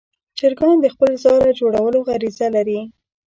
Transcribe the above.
چرګان د خپل ځاله جوړولو غریزه لري.